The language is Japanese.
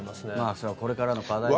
それはこれからの課題ですよね。